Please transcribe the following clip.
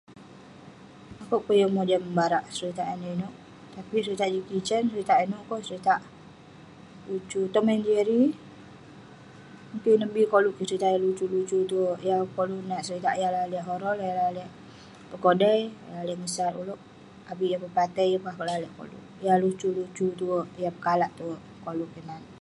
Akouk peh yeng mojam barak seritak inouk inouk tapik seritak Jacky Chan, seritak inouk keh..seritak lucu Tom N Jerry, ineh bi koluk kik, seritak lucu lucu tuwerk..yeng akouk koluk nat seritak yah lalek horor, yah lalek pekodai, lalek ngesat ulouk avik yah pepatai yeng akouk lalek koluk, yah lucu lucu tuwerk, yah pekalak tuwerk koluk kik nat..